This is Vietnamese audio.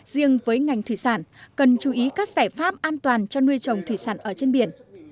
riêng với ngành thủy sản cần chú ý các giải pháp an toàn cho nuôi trồng thủy sản ở trên biển